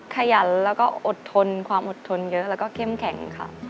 ขยันแล้วก็อดทนความอดทนเยอะแล้วก็เข้มแข็งค่ะ